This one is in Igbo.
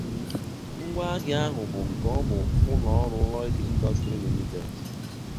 ngwaahịa ahụ bụ nke ọ bụ ụlọọrụ Lloyd Industries Limited